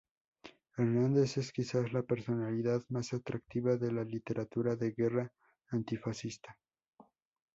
Hernández es quizás la personalidad más atractiva de la literatura de guerra antifascista.